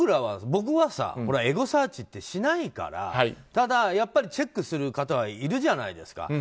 僕はエゴサーチってしないからただチェックする方はいるじゃないですか。